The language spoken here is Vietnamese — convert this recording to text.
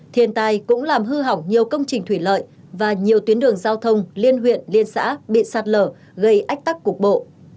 thiên tai cũng làm hư hỏng nhiều công trình thủy lợi và nhiều tuyến đường giao thông liên huyện liên xã bị sạt lở gây ách tắc cục bộ